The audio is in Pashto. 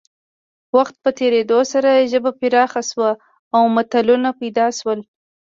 د وخت په تېرېدو سره ژبه پراخه شوه او متلونه پیدا شول